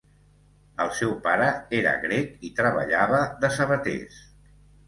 El seu pare era grec i treballava de sabaters.